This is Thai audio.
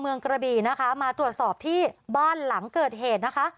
กระบีนะคะมาตรวจสอบที่บ้านหลังเกิดเหตุนะคะ